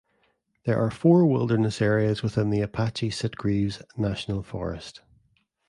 There are four wilderness areas within Apache-Sitgreaves National Forest.